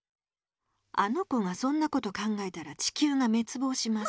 あの子がそんなこと考えたら地球がめつぼうします。